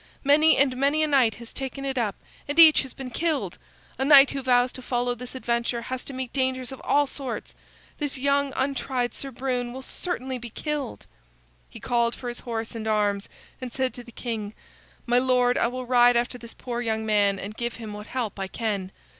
Many and many a knight has taken it up and each has been killed. A knight who vows to follow this adventure has to meet dangers of all sorts. This young untried Sir Brune will certainly be killed." He called for his horse and arms, and said to the king: "My lord, I will ride after this poor young man and give him what help I can.